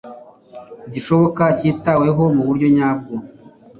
gishoboka kitaweho mu buryo nyabwo